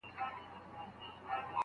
ربابونه ګناه کار دي مطربان ولي راځي.